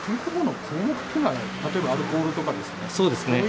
点呼の項目というのは、例えばアルコールとかですね。